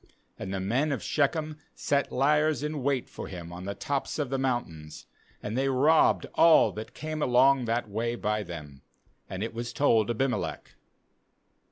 25And the men of Shechem set liers in wait for him on the tops of the mountains, and they robbed all that came along that way by them; and it was told Abimelech.